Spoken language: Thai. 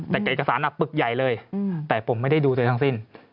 แต่เอกสารปึกใหญ่เลยแต่ผมไม่ได้ดูตัวเองทั้งสิ้น